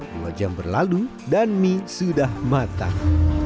dua jam berlalu dan mie sudah matang